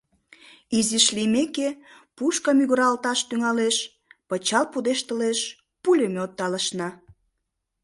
Изиш лиймеке, пушка мӱгыралташ тӱҥалеш, пычал пудештылеш, пулемёт талышна.